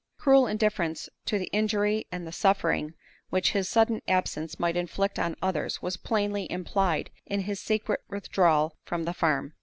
Cruel indifference to the injury and the suffering which his sudden absence might inflict on others was plainly implied in his secret withdrawal from the farm.